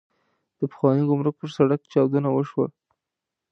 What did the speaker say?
د پخواني ګمرک پر سړک چاودنه وشوه.